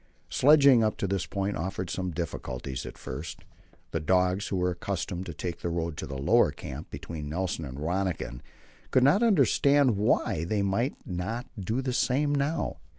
Sledging up to this point offered some difficulties at first. The dogs, who were accustomed to take the road to the lower camp between Nelson and Rönniken could not understand why they might not do the same now.